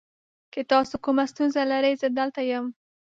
که تاسو کومه ستونزه لرئ، زه دلته یم.